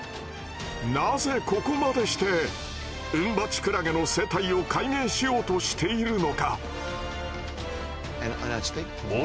なぜここまでしてウンバチクラゲの生態を解明しようとしているのか？